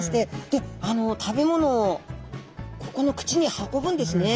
で食べ物をここの口に運ぶんですね。